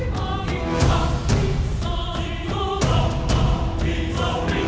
tapi kamu harus kembali ke istana pajajara